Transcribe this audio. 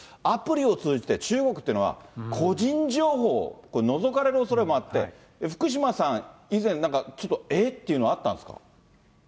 アプリを通じて、中国っていうのは、個人情報をこれ、のぞかれるおそれもあって、福島さん、以前、なんかちょっと、えっ？っていうのがあったんですか？